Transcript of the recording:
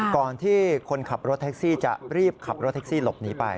ก่อนที่คนขับรถแท็กซี่จะรีบขับรถแท็กซี่หลบหนีไป